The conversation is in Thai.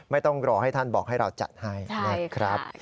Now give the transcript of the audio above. ไม่ต้องรอให้ท่านบอกให้เราจัดให้นะครับ